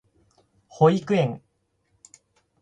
保育園